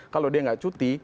kalau dia tidak cuti